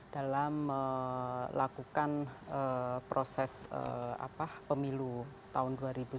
dalam melakukan proses pemilu tahun dua ribu sembilan belas